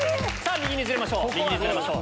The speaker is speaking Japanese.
右にずれましょう！